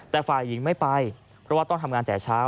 แต่ฝ่ายหญิงไม่ไปเพราะว่าต้องทำงานแต่เช้า